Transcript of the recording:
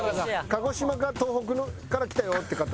「鹿児島か東北から来たよっていう方」。